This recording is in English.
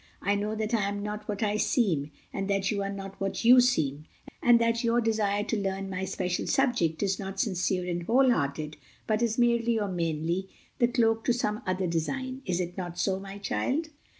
I know that I am not what I seem, and that you are not what you seem, and that your desire to learn my special subject is not sincere and whole hearted, but is merely, or mainly, the cloak to some other design. Is it not so, my child?"